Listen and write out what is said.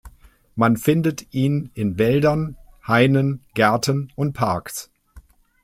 Man findet ihn in Wäldern, Hainen, Gärten und Parks.